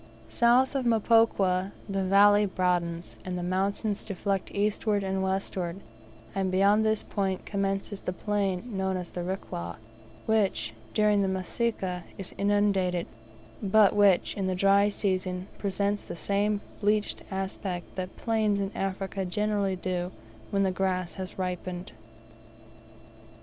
South of Mpokwa, the valley broadens, and the mountains deflect eastward and westward, and beyond this point commences the plain known as the Rikwa, which, during the Masika is inundated, but which, in the dry season, presents the same bleached aspect that plains in Africa generally do when the grass has ripened.